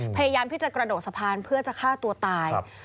พยายามที่จะกระโดดสะพานเพื่อจะฆ่าตัวตาย